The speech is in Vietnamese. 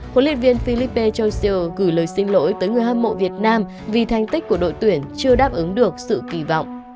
huấn luyện viên philippe jocial gửi lời xin lỗi tới người hâm mộ việt nam vì thành tích của đội tuyển chưa đáp ứng được sự kỳ vọng